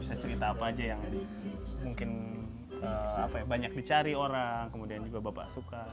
bisa cerita apa aja yang mungkin banyak dicari orang kemudian juga bapak suka